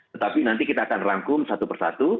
tetapi nanti kita akan rangkum satu persatu